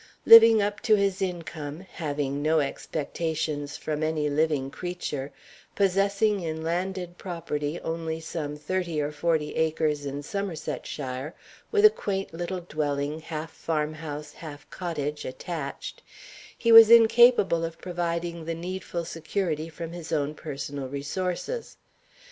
Living up to his income; having no expectations from any living creature; possessing in landed property only some thirty or forty acres in Somersetshire, with a quaint little dwelling, half farm house, half cottage, attached he was incapable of providing the needful security from his own personal resources.